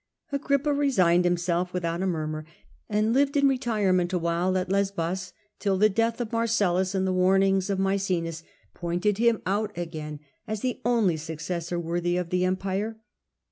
Agrippa resigned himself without a murmur, and Retires to lived in retirement a while at Lesbos, till the Lesbos. death of Marcellus and the warnings of Maecenas pointed him out again as the only successor worthy of the Empire.